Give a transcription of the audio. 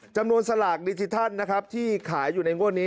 สลากดิจิทัลนะครับที่ขายอยู่ในงวดนี้